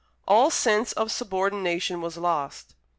All sense of subordination was lost.